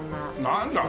なんだ。